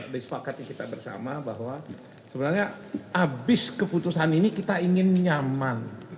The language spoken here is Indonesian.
dari sepakat yang kita bersama bahwa sebenarnya abis keputusan ini kita ingin nyaman